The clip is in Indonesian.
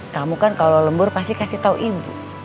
kamu kan kalau lembur pasti kasih tahu ibu